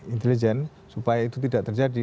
intelijen supaya itu tidak terjadi